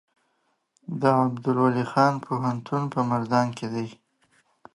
د عبدالولي خان پوهنتون په مردان کې دی